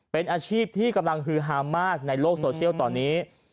เป็นอาชีพที่กำลังฮือฮามากในโลกโซเชียลตอนนี้